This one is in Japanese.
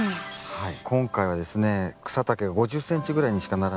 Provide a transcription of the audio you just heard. はい。